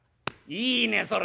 「いいねそれ。